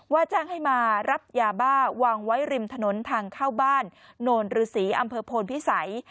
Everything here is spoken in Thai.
จ้างให้มารับยาบ้าวางไว้ริมถนนทางเข้าบ้านโนนฤษีอำเภอโพนพิสัย